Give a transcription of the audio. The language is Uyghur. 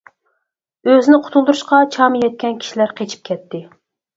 ئۆزىنى قۇتۇلدۇرۇشقا چامى يەتكەن كىشىلەر قېچىپ كەتتى.